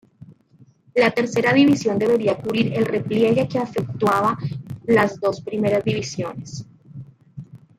La tercera división debería cubrir el repliegue que efectuaban las dos primeras divisiones.